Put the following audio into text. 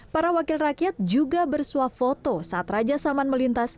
para wakil rakyat juga bersuap foto saat raja salman melintas